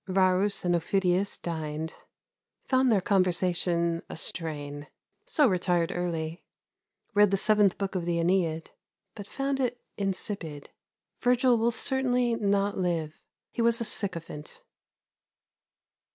Varus and Aufidius dined. Found their conversation a strain. So retired early. Read the Seventh Book of the "Æneid," but found it insipid. Virgil will certainly not live. He was a sycophant.